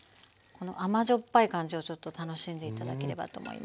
甘じょっぱい感じをちょっと楽しんで頂ければと思います。